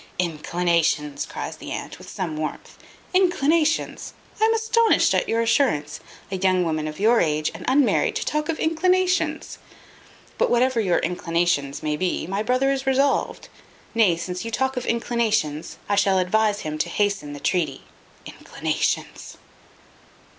"Inclinations!" cries the aunt, with some warmth. "Inclinations! I am astonished at your assurance. A young woman of your age, and unmarried, to talk of inclinations! But whatever your inclinations may be, my brother is resolved; nay, since you talk of inclinations, I shall advise him to hasten the treaty. Inclinations!"